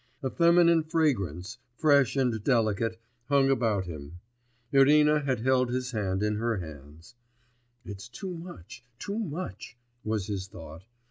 A feminine fragrance, fresh and delicate, clung about him.... Irina had held his hand in her hands. 'It's too much, too much,' was his thought.